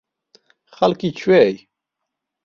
خەڵکی کوێی؟